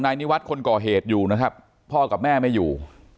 นิวัฒน์คนก่อเหตุอยู่นะครับพ่อกับแม่ไม่อยู่